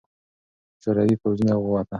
شوروي پوځونه ووته.